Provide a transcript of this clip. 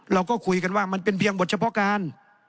เราก็คุยกันว่ามันเป็นเพียงบทเฉพาะการ